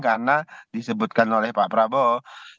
karena disebutkan oleh pak prabowo